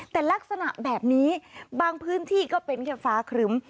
แต่ลักษณะแบบนี้บางพื้นที่ก็เป็นแค่ฟ้าครึ้ม